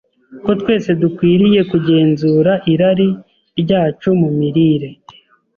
ko twese dukwiriye kugenzura irari ryacu mu mirire.